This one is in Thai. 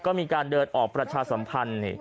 ก็มีการเดินออกประชาสัมพันธ์